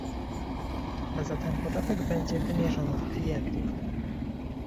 A zatem podatek będzie wymierzony w klientów